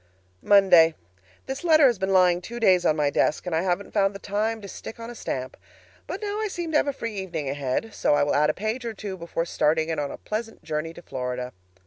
Monday. This letter has been lying two days on my desk, and I haven't found the time to stick on a stamp. But now I seem to have a free evening ahead, so I will add a page or two more before starting it on a pleasant journey to Florida.